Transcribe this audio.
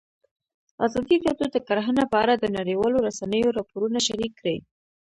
ازادي راډیو د کرهنه په اړه د نړیوالو رسنیو راپورونه شریک کړي.